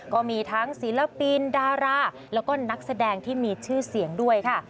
ก็มีทั้งศิลปินดาราแล้วก็นักแสดงที่มีชื่อเสียงด้วยค่ะ